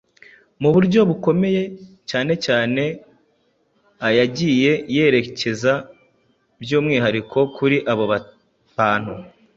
mu buryo bukomeye cyanecyane ayagiye yerekeza by’umwihariko kuri abo bantu